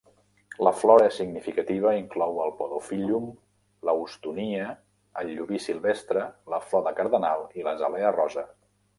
La flora significativa inclou el podophyllum, la houstonia, el llobí silvestre, la flor de cardenal i l'azalea rosa.